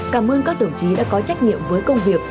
cảm ơn các đồng chí đã có trách nhiệm với công việc